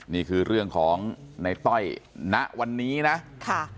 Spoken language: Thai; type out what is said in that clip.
นี่คือเรื่องของในต้อยณวันนี้นะค่ะ